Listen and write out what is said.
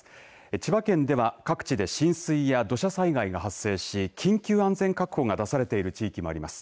千葉県では各地で浸水や土砂災害が発生し緊急安全確保が出されている地域もあります。